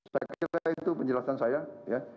saya kira itu penjelasan saya ya